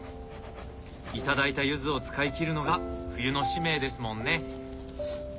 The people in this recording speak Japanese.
頂いたゆずを使い切るのが冬の使命ですもんね。